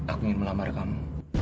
aku ingin melamar kamu